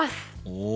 お！